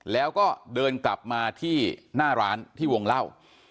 แล้วก็เดินกลับมาที่หน้าร้านที่วงเล่า